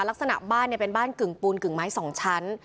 ลักษณะบ้านเป็นบ้านกึ่งปูนกึ่งไม้๒ชั้น